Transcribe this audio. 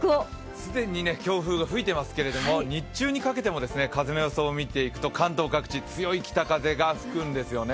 既に強風が吹いてますけど日中にかけても風の予想を見ていくと、関東各地、強い北風が吹くんですよね。